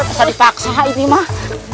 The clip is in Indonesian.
bisa dipaksa ini mah